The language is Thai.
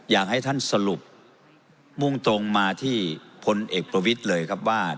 อยากให้ท่านสรุปมุ่งตรงมาที่พลเอกประวิทย์เลยครับว่า